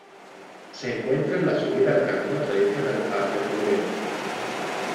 Se encuentra en la subida al camino tradicional hacia Cobreros.